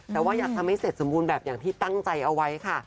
แต่ว่าอยากทำให้เสร็จสมบูรณ์แบบอย่างที่ตั้งใจเอาไว้ค่ะ